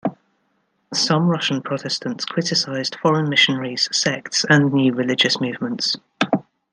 Some Russian Protestants criticized foreign missionaries, sects and new religious movements.